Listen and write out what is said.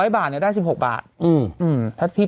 ๑๐๐บาทเนี่ยได้๑๖บาท